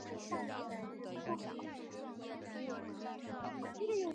湖北沔阳人。